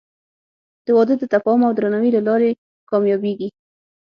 • واده د تفاهم او درناوي له لارې کامیابېږي.